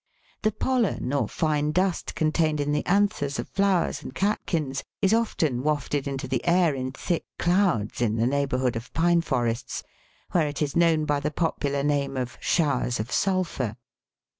The pollen or fine dust contained in the anthers of flowers and catkins is often wafted into the air in thick clouds in the neighbourhood of pine forests, where it is known by the popular name of " showers of sulphur."